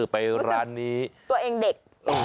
ไปร้านนี้ตัวเองเด็ก